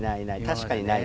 確かにないね。